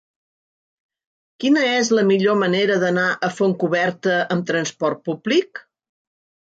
Quina és la millor manera d'anar a Fontcoberta amb trasport públic?